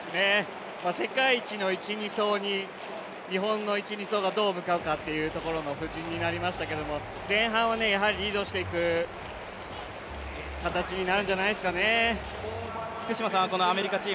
世界一の１、２走に、日本の１、２走がどう向かうかというところの布陣になりましたけど前半をやはりリードしていく形になるんじゃないですかね。